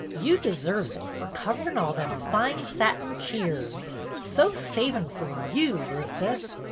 " You deserves it fer cov'rin' all them fine sating cheers. So savin' i&x yoti, 'Liz'beth!"